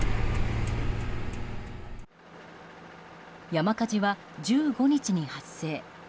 山火事は１５日に発生。